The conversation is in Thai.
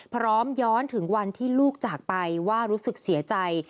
พร้อมย้อนถึงวันที่ลูกจากไปว่ารู้สึกเสียใจ